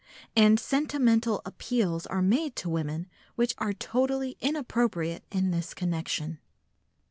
and sentimental appeals are made to women which are totally inappropriate in this connection.